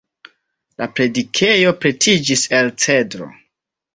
La predikejo pretiĝis el cedro.